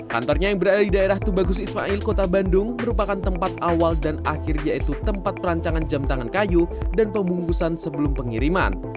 kantornya yang berada di daerah tubagus ismail kota bandung merupakan tempat awal dan akhir yaitu tempat perancangan jam tangan kayu dan pembungkusan sebelum pengiriman